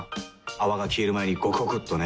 泡が消える前にゴクゴクっとね。